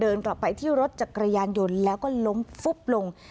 กลับไปที่รถจักรยานยนต์แล้วก็ล้มฟุบลง